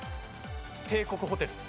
帝国ホテル。